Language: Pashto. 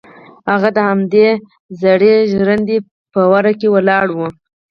هغه د همدې زړې ژرندې په وره کې ولاړه وه.